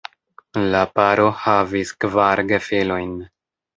La paro havis kvar gefilojn.